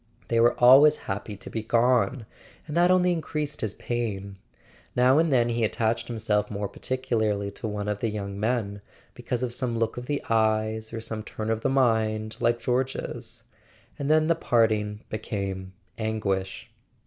They were always happy to be gone; and that only increased his pain. Now and then he attached himself more particularly to one of the young men, because of some look of the eyes or some turn of the mind like George's; and then the parting became anguish.